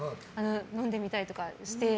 飲んでみたりとかして。